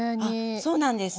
そうなんです。